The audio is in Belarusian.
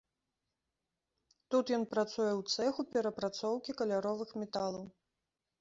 Тут ён працуе ў цэху перапрацоўкі каляровых металаў.